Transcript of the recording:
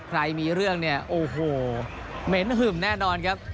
ใครมีเรื่องเนี่ยโอ้โหเหม็นหึ่มแน่นอนครับ